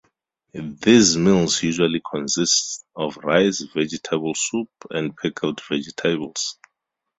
These meals usually consist of rice, vegetable soup and pickled vegetables.